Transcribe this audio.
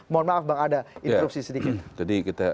mohon maaf bang ada instruksi sedikit